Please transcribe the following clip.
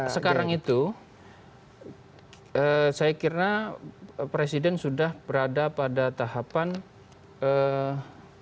sekarang itu saya kira presiden sudah berada pada tahapan